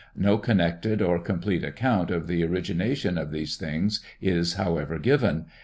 No connected or complete account of the origination of these things is however given.